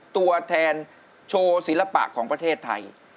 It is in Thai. ตัวแทนโชว์ศิลปะของประเทศไทย